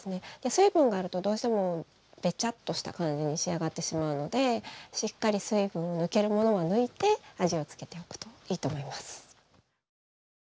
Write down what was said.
水分があるとどうしてもベチャッとした感じに仕上がってしまうのでしっかり水分抜けるものは抜いて味を付けておくといいと思います。